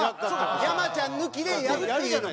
山ちゃん抜きでやるっていうのも。